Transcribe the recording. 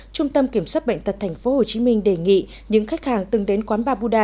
trung tâm kiểm soát bệnh tật tp hcm đề nghị những khách hàng từng đến quán ba buda